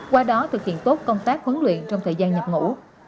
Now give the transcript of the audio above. qua đó thực hiện tốt công tác huấn luyện trong thời gian nhập ngũ